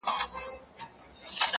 مرګي زده کړی بل نوی چم دی.!